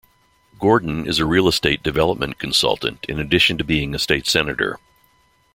Gordon is a real estate development consultant in addition to being a state senator.